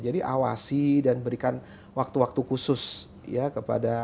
jadi awasi dan berikan waktu waktu khusus ya kepada anaknya